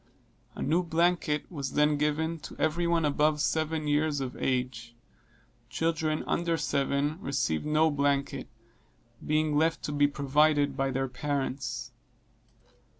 A new blanket was then given to every one above seven years of age children under seven received no blanket, being left to be provided for by their parents.